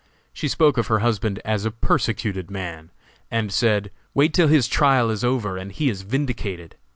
She spoke of her husband as a persecuted man, and said: "Wait till his trial is over and he is vindicated!